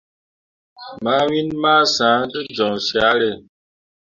Ma win ma sah te jon carré.